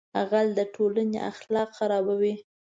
غل د ټولنې اخلاق خرابوي